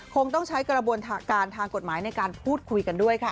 คงต้องใช้กระบวนการทางกฎหมายในการพูดคุยกันด้วยค่ะ